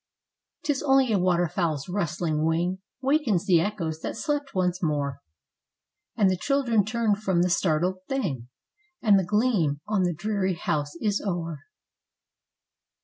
'Tis only a waterfowl's rustling wing Wakens the echoes that slept once more, And the children turn from the startled thing, And the gleam on the dreary House is o'er.